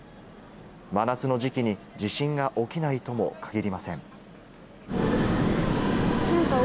真夏の時期に地震が起きないとも限りません。